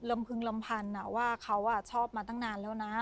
พึงลำพันว่าเขาชอบมาตั้งนานแล้วนะ